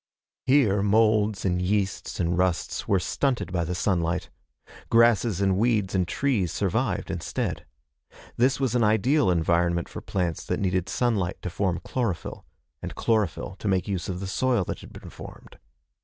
Here moulds and yeasts and rusts were stunted by the sunlight. Grasses and weeds and trees survived, instead. This was an ideal environment for plants that needed sunlight to form chlorophyll, and chlorophyll to make use of the soil that had been formed.